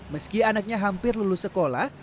meski anaknya hampir lulus sekolah